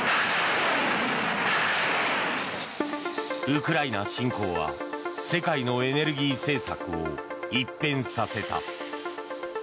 ウクライナ侵攻は世界のエネルギー政策を一変させた。